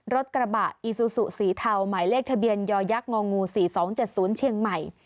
รถกระบะอีซูซูสีเทาหมายเลขทะเบียนยอยักษงองู๔๒๗๐เชียงใหม่